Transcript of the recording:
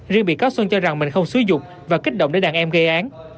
riêng bị cáo xuân cho rằng mình không xúi dục và kích động để đàn em gây án